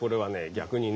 逆にね